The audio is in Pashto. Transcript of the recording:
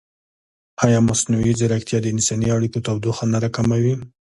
ایا مصنوعي ځیرکتیا د انساني اړیکو تودوخه نه راکموي؟